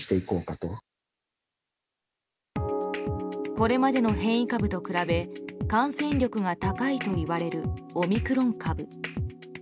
これまでの変異株と比べ感染力が高いといわれるオミクロン株。